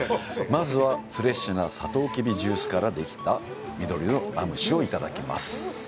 まずは、フレッシュなサトウキビジュースからできた緑のラム酒をいただきます。